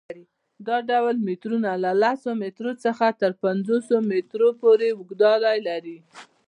دا ډول میټرونه له لس میټرو څخه تر پنځوس میټرو پورې اوږدوالی لري.